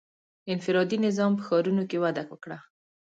• انفرادي نظام په ښارونو کې وده وکړه.